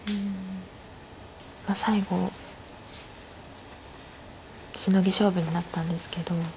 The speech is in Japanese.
最後シノギ勝負になったんですけど。